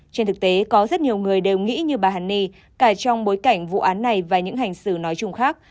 trên thực tế có rất nhiều người đều nghĩ như bà hàn ni cả trong bối cảnh vụ án này và những hành xử nói chung khác